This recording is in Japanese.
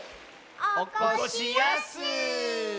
おこしやす。